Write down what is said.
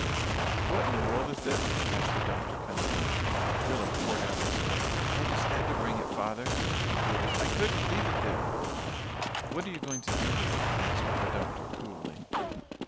"What in the world is this?" asked the doctor, coming in. Rilla poured out her story. "I just had to bring it, father," she concluded. "I couldn't leave it there." "What are you going to do with it?" asked the doctor coolly.